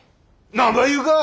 何ば言うか。